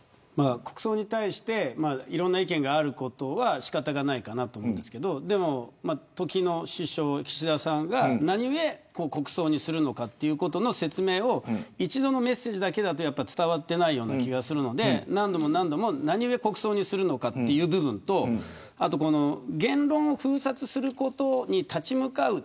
国葬に対していろんな意見があることは仕方がないかなと思うんですが時の首相、岸田さんが、なにゆえ国葬にするのかということの説明を一度のメッセージだけだと伝わっていないような気がするのでなにゆえ国葬にするのかという部分と言論を封殺することに立ち向かう